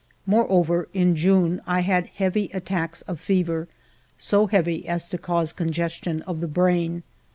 More over, in June I had heavy attacks of fever, so heavy as to cause congestion of the brain.